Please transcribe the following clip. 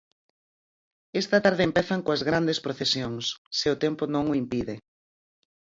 Esta tarde empezan coas grandes procesións..., se o tempo non o impide.